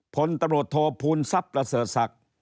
ผลตำรวจโทษพูณทรับตระเซิร์ทศักดิ์